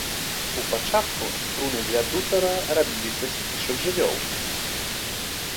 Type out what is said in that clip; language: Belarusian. У пачатку струны для дутара рабіліся з кішак жывёл.